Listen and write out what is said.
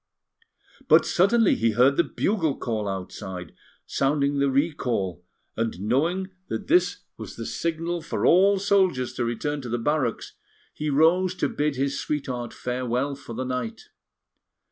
But suddenly he heard the bugle call outside, sounding the recall; and knowing that this was the signal for all soldiers to return to the barracks, he rose to bid his sweetheart farewell for the night.